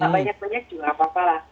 banyak banyak juga apa apalah